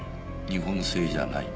日本製じゃない。